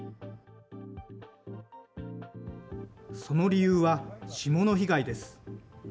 その理由は、霜の被害です。